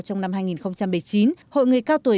trong năm hai nghìn một mươi chín hội người cao tuổi